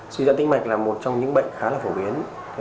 suy dãn tĩnh mạch là một trong những bệnh khá là phổ biến